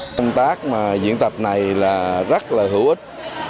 công tác diễn tập này rất là hữu ích